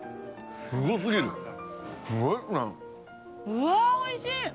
うわおいしい！